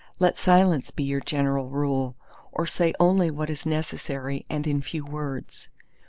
Let silence be your general rule; or say only what is necessary and in few words.